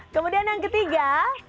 kemudian yang ketiga